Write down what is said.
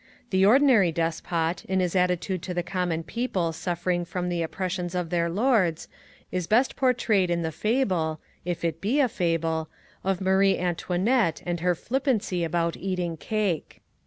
The ordinary despot, in his attitude to the common people suffering from the oppressions of their lords, is best portrayed in the fable if it be a fable of Marie Antoinette and her flippancy about eating cake.